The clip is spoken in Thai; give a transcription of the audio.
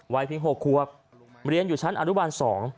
เพียง๖ควบเรียนอยู่ชั้นอนุบาล๒